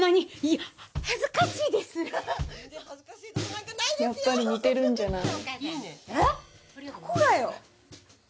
やっぱり似てるんじゃない？